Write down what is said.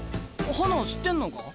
花知ってんのか？